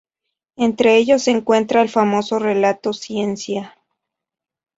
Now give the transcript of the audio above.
Entre ellos se encuentra el famoso relato "Ciencia"